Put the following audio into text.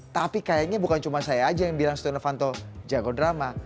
tapi kayaknya bukan cuma saya aja yang bilang setia novanto jago drama